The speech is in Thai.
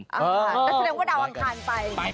น่าเฉริงว่าเหลวอังคารไป